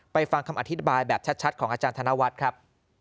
ฟังคำอธิบายแบบชัดของอาจารย์ธนวัฒน์ครับ